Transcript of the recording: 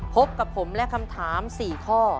พบกับผมและคำถาม๔ข้อ